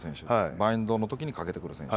バインドのときにかけてくる選手。